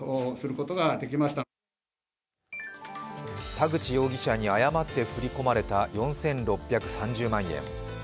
田口容疑者に誤って振り込まれた４６３０万円。